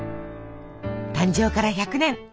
誕生から１００年